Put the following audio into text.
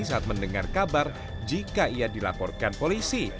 saat mendengar kabar jika ia dilaporkan polisi